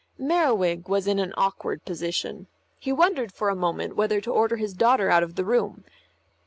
Merriwig was in an awkward position. He wondered for a moment whether to order his daughter out of the room.